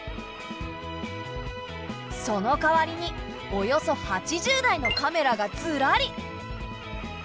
そのかわりにおよそ８０台のカメラがずらり。